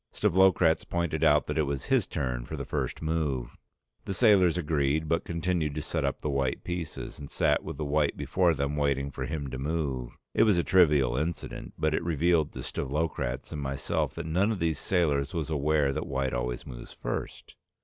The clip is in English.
Stavlokratz pointed out that it was his turn for the first move. The sailors agreed but continued to set up the white pieces and sat with the white before them waiting for him to move. It was a trivial incident, but it revealed to Stavlokratz and myself that none of these sailors was aware that white always moves first.